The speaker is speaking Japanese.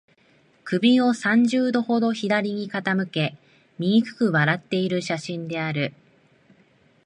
首を三十度ほど左に傾け、醜く笑っている写真である